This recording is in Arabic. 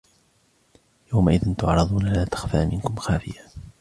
يومئذ تعرضون لا تخفى منكم خافية